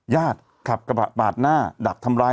ขับกระบะปาดหน้าดักทำร้าย